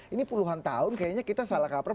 ini puluhan tahun kayaknya kita salah kaprah